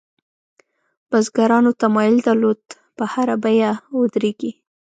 بزګرانو تمایل درلود په هره بیه ودرېږي.